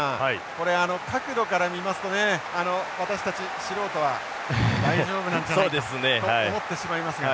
これ角度から見ますとね私たち素人は大丈夫なんじゃないかと思ってしまいますが。